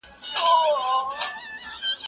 ايا ته تکړښت کوې.